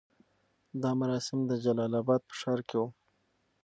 دا مراسم د جلال اباد په ښار کې وو.